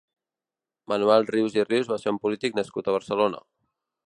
Manuel Rius i Rius va ser un polític nascut a Barcelona.